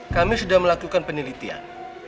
kami sudah melakukan perubahan